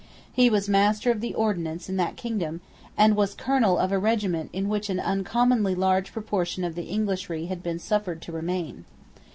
He was Master of the Ordnance in that kingdom, and was colonel of a regiment in which an uncommonly large proportion of the Englishry had been suffered to remain.